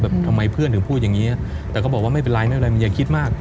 แบบทำไมเพื่อนถึงพูดอย่างนี้แต่ก็บอกว่าไม่เป็นไรอย่าคิดมาก